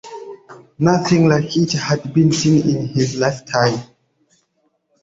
Nothing like it had been seen in his lifetime.